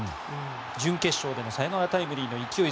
準決勝でのサヨナラタイムリーの勢い